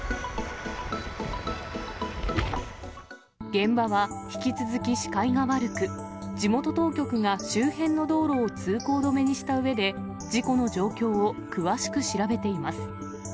現場は引き続き視界が悪く、地元当局が周辺の道路を通行止めにしたうえで、事故の状況を詳しく調べています。